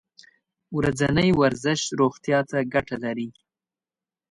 ورځنی ورزش روغتیا ته ګټه لري.